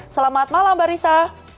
selamat malam mbak risa